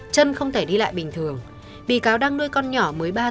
chân không thể đi lại bình thường bị cáo đang nuôi con nhỏ mới ba tuổi